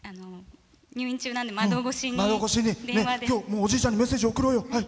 おじいちゃんにメッセージ送ろうよ。